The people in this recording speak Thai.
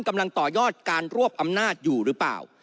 ทำลายการรวบอำนาจอยู่หรือเปล่า